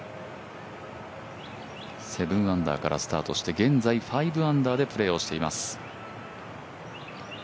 ７アンダーからスタートして、現在５アンダーでプレーをしています。